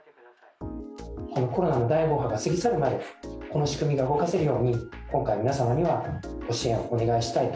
コロナの第５波が過ぎ去るまで、この仕組みが動かせるように、今回、皆様にはご支援をお願いしたいと。